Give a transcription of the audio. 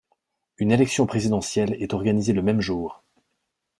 Une élection présidentielle est organisée le même jour.